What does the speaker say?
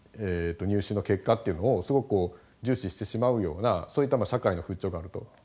入試の結果っていうのをすごく重視してしまうようなそういった社会の風潮があると。